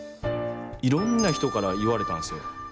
いろんな人から言われたんすよ。